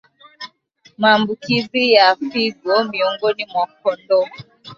Maambukizi ya figo miongoni mwa kondoo